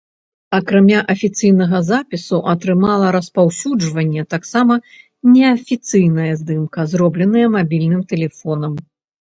Акрамя афіцыйнага запісу атрымала распаўсюджванне таксама неафіцыйная здымка, зробленая мабільным тэлефонам.